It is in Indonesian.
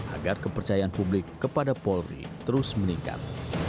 agar kepercayaan publik kepada polri terus meningkat